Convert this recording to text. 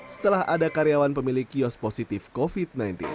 setelah ada karyawan pemilik kios positif covid sembilan belas